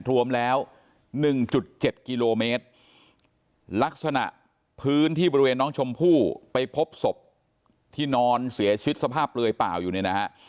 รวมแล้ว๑๗กิโลเมตรลักษณะพื้นที่บริเวณน้องชมพู่ไปพบศพที่นอนเสียชีวิตสภาพเปลือยเปล่าอยู่เนี่ยนะฮะ